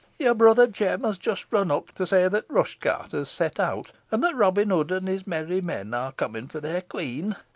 "Your brother Jem has just run up to say that t' rush cart has set out, and that Robin Hood and his merry men are comin' for their Queen."